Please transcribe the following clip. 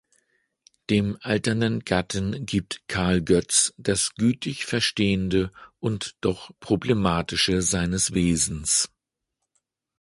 Dem alternden Gatten gibt Karl Goetz das gütig Verstehende und doch Problematische seines Wesens.